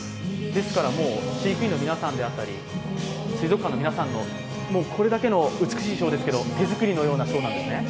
ですから、飼育員の皆さん、水族館の皆さん、これだけの美しいショーですけど、手作りのようなショーですね？